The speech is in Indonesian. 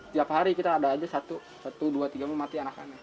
setiap hari kita ada aja satu dua tiga mau mati anakannya